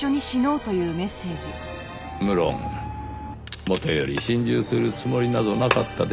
無論もとより心中するつもりなどなかったでしょうが。